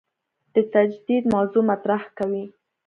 د تجدید موضوع مطرح کوي.